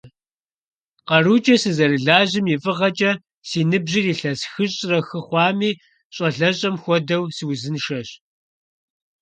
КъарукӀэ сызэрылажьэм и фӀыгъэкӀэ, си ныбжьыр илъэс хыщӏрэ хы хъуами, щӀалэщӀэм хуэдэу, сыузыншэщ.